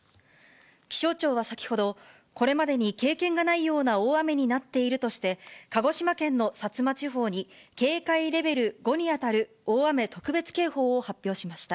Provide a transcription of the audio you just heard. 気象庁は先ほど、これまでに経験がないような大雨になっているとして、鹿児島県の薩摩地方に、警戒レベル５に当たる大雨特別警報を発表しました。